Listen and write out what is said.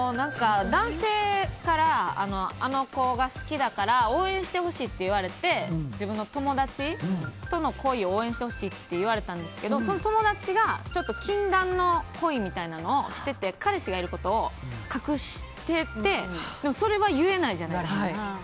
男性からあの子が好きだから応援してほしいって言われて自分の友達との恋を応援してほしいって言われたんですけどその友達が禁断の恋みたいなのをしてて彼氏がいることを隠しててでもそれは言えないじゃないですか。